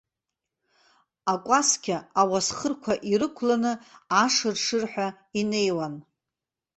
Акәасқьа ауасхырқәа ирықәланы, ашыршырҳәа инеиуан.